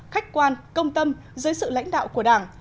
khách quan công tâm dưới sự lãnh đạo của đảng